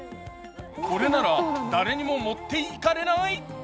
これなら誰にも持って行かれない？